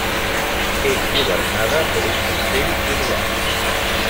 És governada per un Consell Urbà.